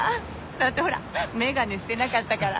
だってほら眼鏡してなかったから。